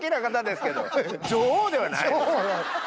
女王ではない。